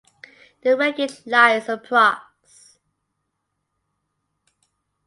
The wreckage lies approx.